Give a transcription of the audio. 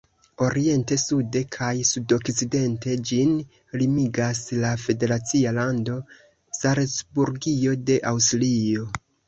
Oriente, sude kaj sudokcidente ĝin limigas la federacia lando Salcburgio de Aŭstrio.